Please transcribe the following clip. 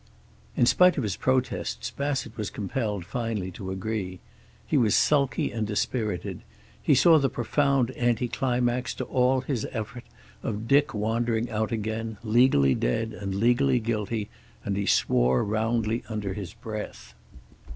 In spite of his protests, Bassett was compelled finally to agree. He was sulky and dispirited. He saw the profound anticlimax to all his effort of Dick wandering out again, legally dead and legally guilty, and he swore roundly under his breath.